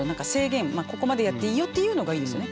ここまでやっていいよっていうのがいいですよね。